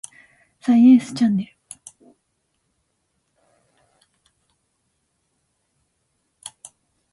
サイエンスチャンネル